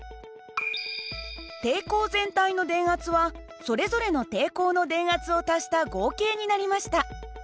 抵抗全体の電圧はそれぞれの抵抗の電圧を足した合計になりました。